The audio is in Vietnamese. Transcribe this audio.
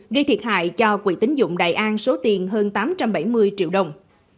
gây thiệt hại cho quỹ tính dụng đại an số tiền hơn tám trăm bảy mươi triệu đồng